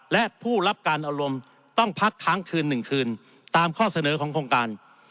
และผู้รับการอารมณ์ต้องพักค้างคืน๑คืนตามข้อเสนอของโครงการ